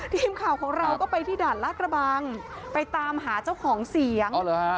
ทีมข่าวของเราก็ไปที่ด่านลาดกระบังไปตามหาเจ้าของเสียง